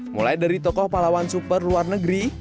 mulai dari tokoh pahlawan super luar negeri